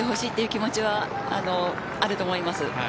気持ちはあると思います。